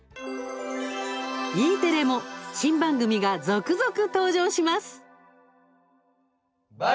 Ｅテレも新番組が続々登場します。